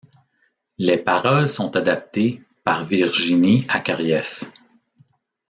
Les paroles sont adaptés par Virginie Acariès.